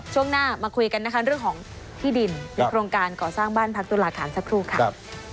ช่วงหน้ามาคุยกันนะคะเรื่องของที่ดินโครงการก่อสร้างบ้านพักตุลาคารสักครู่ค่ะ